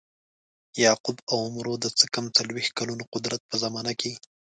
یعقوب او عمرو د څه کم څلویښت کلونو قدرت په زمانه کې.